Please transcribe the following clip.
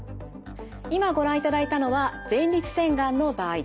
今ご覧いただいたのは前立腺がんの場合です。